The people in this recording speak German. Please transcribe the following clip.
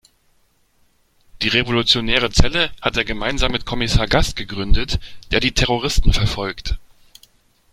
Die revolutionäre Zelle hat er gemeinsam mit Kommissar Gast gegründet, der die Terroristen verfolgt.